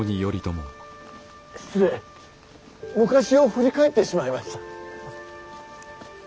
失礼昔を振り返ってしまいました。